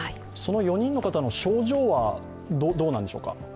その４人の方の症状はどうなんでしょうか？